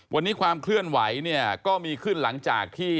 วันนี้ความเคลื่อนไหวเนี่ยก็มีขึ้นหลังจากที่